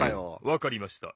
わかりました。